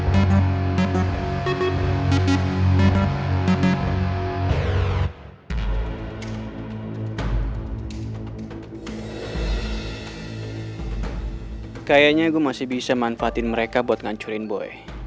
kayaknya gua masih bisa manfaatin mereka buat ngancurin boy